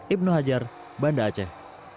ibnu hajar banda aceh